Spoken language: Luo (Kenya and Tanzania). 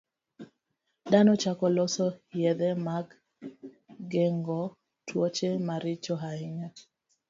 Dhano chako loso yedhe mag geng'o tuoche maricho ahinya.